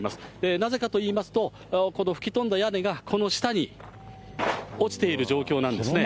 なぜかといいますと、この吹き飛んだ屋根が、この下に落ちている状況なんですね。